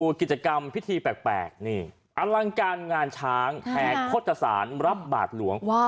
วันกิจกรรมพิธีแปลกอลังการงานช้างแฮกโฆษศาสตร์รับบาทหลวง